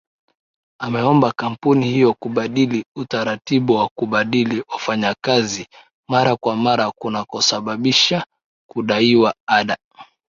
ameomba kampuni hiyo kubadili utaratibu wa kubadili wafanyakazi mara kwa mara kunakosababisha kudaiwa ada